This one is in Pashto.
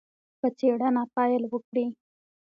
په څېړنه پیل وکړي.